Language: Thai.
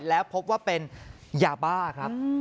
แล้วพบว่าเป็นยาบ้าครับ